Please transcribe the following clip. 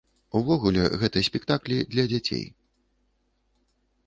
Увогуле, гэта спектаклі для дзяцей.